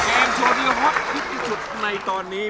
เกมโชว์ดีกว่าพักที่ที่สุดในตอนนี้